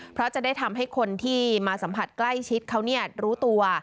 เพราะจะได้ทำให้คนที่มาสัมผัสใกล้ชิดเขารู้ตัว